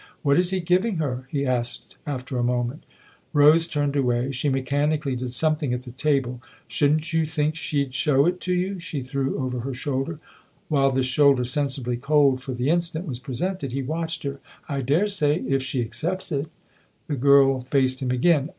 "What is he giving her ?" he asked after a moment Rose turned away; she mechanically did some thing at the table. " Shouldn't you think she'd show it to you ?" she threw over her shoulder. While this shoulder, sensibly cold for the instant, was presented, he watched her. " I daresay if she accepts it." The girl faced him again.